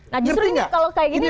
nah justru ini kalau kayak gini